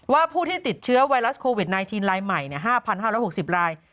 ผู้ที่ติดเชื้อไวรัสโควิด๑๙รายใหม่๕๕๖๐ราย